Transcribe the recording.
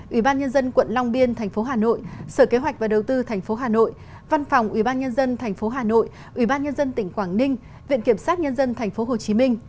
ủy ban nhân dân quận long biên tp hcm sở kế hoạch và đầu tư tp hcm văn phòng ủy ban nhân dân tp hcm ủy ban nhân dân tỉnh quảng ninh viện kiểm sát nhân dân tp hcm